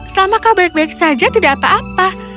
selama kau baik baik saja tidak apa apa